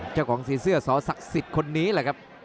เจ้าของสี่เสื้อสรสักสิสคนนี้แหละครับ